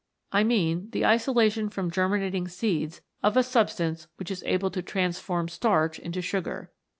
I mean the isolation from germinating seeds of a substance which is able to transform starch into sugar.